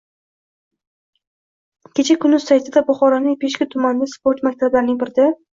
Kecha Kun.uz saytida Buxoroning Peshku tumanidagi sport maktablarining birida